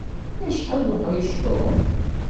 Acḥal d uḥṛic Tom!